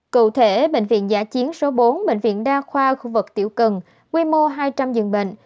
cụ thể bệnh viện giả chiến số bốn bệnh viện đa khoa khu vực tiểu cần quy mô hai trăm linh giường bệnh